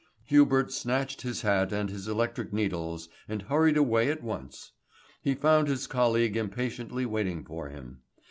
Hubert snatched his hat and his electric needles, and hurried away at once. He found his colleague impatiently waiting for him.